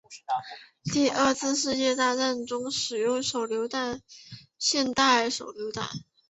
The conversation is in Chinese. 第二次世界大战中使用的手榴弹现代手榴弹